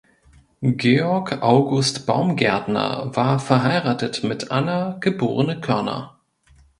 Georg August Baumgärtner war verheiratet mit Anna geborene Körner.